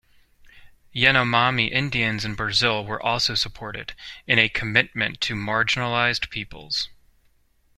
Yanomami Indians in Brazil were also supported, in a commitment to marginalized peoples.